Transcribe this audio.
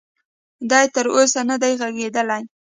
دې تر اوسه ندی ږغېدلی.